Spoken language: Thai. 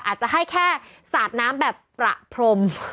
อาจจะให้แค่สาดน้ำแบบประพรม